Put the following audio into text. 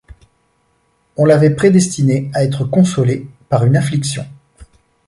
On l’avait prédestiné à être consolé par une affliction.